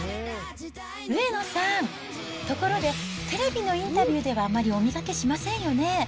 上野さん、ところで、テレビのインタビューではあまりお見かけしませんよね。